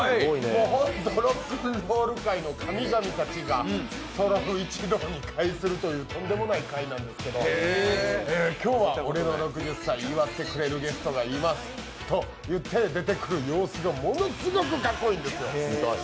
ホント、ロックンロール界の神々たちが一堂に会するというとんでもない日なんですけど今日は俺の６０歳祝ってくれるゲストがいますと言って出てくる様子がものすごくかっこいいんですよ。